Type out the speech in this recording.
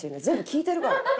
全部聞いてるから」。